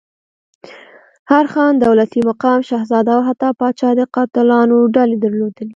هر خان، دولتي مقام، شهزاده او حتی پاچا د قاتلانو ډلې درلودلې.